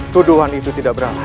tuduhan itu tidak beranak